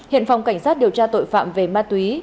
hiện phòng cảnh sát điều tra tội phạm về ma túy